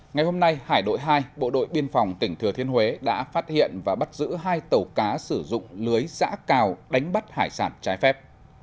ngày hôm nay hải đội hai bộ đội biên phòng tỉnh thừa thiên huế đã phát hiện và bắt giữ hai tàu cá sử dụng lưới giã cào đánh bắt hải sản trái phép